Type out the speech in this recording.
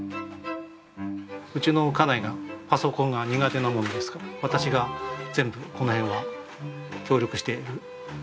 うちの家内がパソコンが苦手なものですから私が全部この辺は協力している関係になってます。